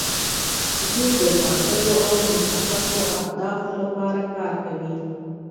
دوی د ټاکلو او مشخصو اهدافو لپاره کار کوي.